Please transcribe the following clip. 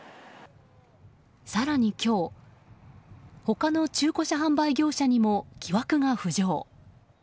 更に今日他の中古車販売業者にも疑惑が浮上。